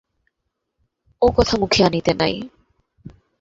ও কথা মুখে আনিতে নাই।